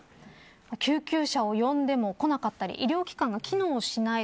４救急車を呼んでもこなかったり医療機関が機能しない